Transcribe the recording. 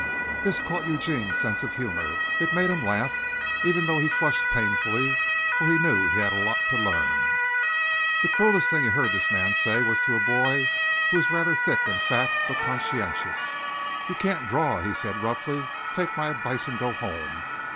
This caught Eugene's sense of humor. It made him laugh, even though he flushed painfully, for he knew he had a lot to learn. The cruelest thing he heard this man say was to a boy who was rather thick and fat but conscientious. "You can't draw," he said roughly. "Take my advice and go home.